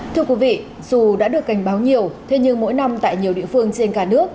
thưa quý vị dù đã được cảnh báo nhiều thế nhưng mỗi năm tại nhiều địa phương trên cả nước